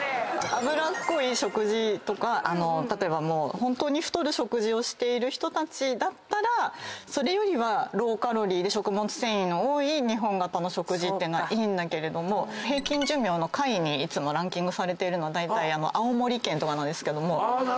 脂っこい食事とか例えばホントに太る食事をしている人たちだったらそれよりはローカロリーで食物繊維の多い日本型の食事っていうのはいいんだけれども平均寿命の下位にいつもランキングされてるのはだいたい青森県とかなんですけども。